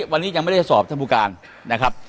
วันนี้ยังไม่ได้สอบท่านผู้การนะครับ